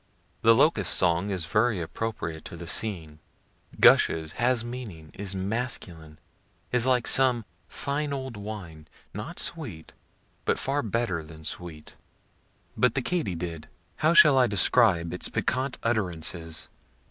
The locust song is very appropriate to the scene gushes, has meaning, is masculine, is like some fine old wine, not sweet, but far better than sweet. But the katydid how shall I describe its piquant utterances?